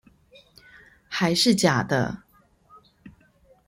還是假的